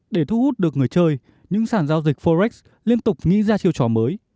để thu hút được người chơi những sản giao dịch forex liên tục nghĩ ra chiều trò mới